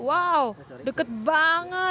wah dekat banget